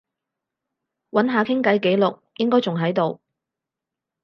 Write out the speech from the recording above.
揾下傾偈記錄，應該仲喺度